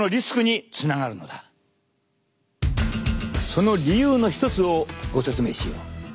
その理由の一つをご説明しよう。